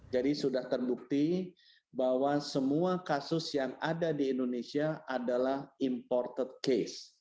jadi sudah terdukti bahwa semua kasus yang ada di indonesia adalah imported case